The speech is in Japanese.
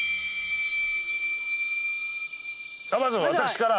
まず私から。